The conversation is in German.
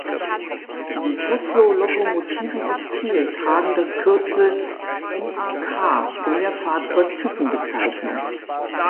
Die Vossloh-Lokomotiven aus Kiel tragen das Kürzel "MaK" in der Fahrzeug-Typenbezeichnung.